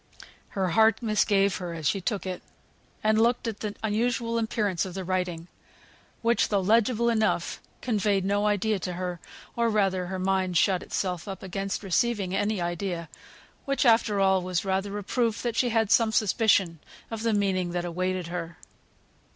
Her heart misgave her as she took it, and looked at the unusual appearance of the writing, which, though legible enough, conveyed no idea to her, or rather her mind shut itself up against receiving any idea, which after all was rather a proof she had some suspicion of the meaning that awaited her.